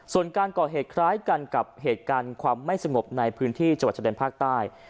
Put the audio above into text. ส่วนการก่อเหตุคล้ายกันกับเหตุการณ์ความไม่สงบในพื้นที่จังหวัดชะแดนภาคใต้